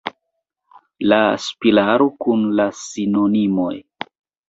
La sliparo kun la sinonimoj.